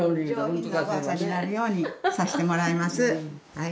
はい。